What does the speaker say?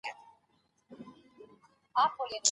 دې دنیا ته دي راغلي بېخي ډېر خلګ مالداره